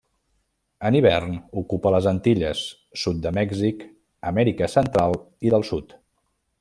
En hivern ocupa les Antilles, sud de Mèxic, Amèrica Central i del Sud.